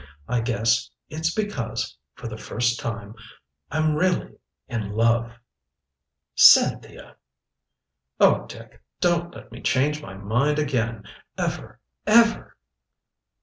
I guess it's because for the first time I'm really in love." "Cynthia!" "Oh, Dick don't let me change my mind again ever ever!"